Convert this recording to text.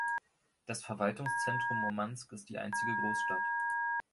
Das Verwaltungszentrum Murmansk ist die einzige Großstadt.